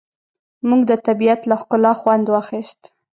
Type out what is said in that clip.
موږ د طبیعت له ښکلا خوند واخیست.